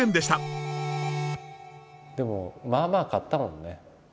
でもまあまあ買ったもんね。